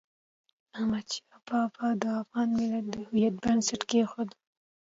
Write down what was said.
احمد شاه بابا د افغان ملت د هویت بنسټ کېښود.